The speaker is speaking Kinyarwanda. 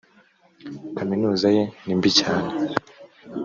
kaminuza ye nimbi cyane.